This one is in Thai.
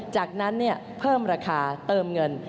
จากนั้นเพิ่มราคาเติมเงิน